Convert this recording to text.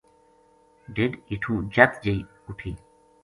ڈھیڈ ہِیٹُو جَت جئی اُ ٹھی